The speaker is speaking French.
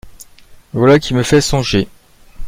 Voilà qui me fait songer.